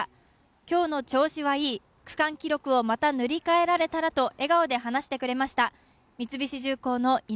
今日の調子はいい、区間記録をまた塗り替えられたらと笑顔で話してくれました。